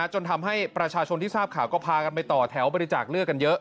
จนทำให้ประชาชนที่ทราบข่าวก็พากันไปต่อแถวบริจาคเลือดกันเยอะ